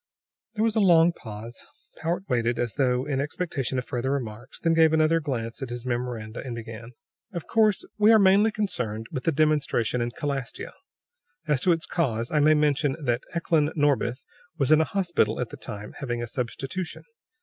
There was a long pause. Powart waited, as though in expectation of further remarks, then gave another glance at his memoranda and began: "Of course, we are mainly concerned with the demonstration in Calastia. As to its cause, I may mention that Eklan Norbith was in a hospital at the time, having a substitution.